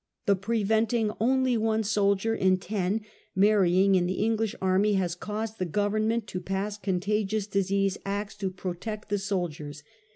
The preventing only one soldier in ten marrying in the English army has caused the Government to pass Contagious Disease Acts to protect the soldiers.